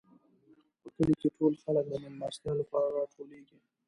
په کلي کې ټول خلک د مېلمستیا لپاره راټولېږي.